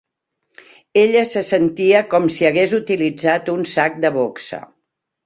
Ella se sentia com si hagués utilitzat un sac de boxa